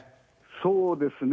そうですね。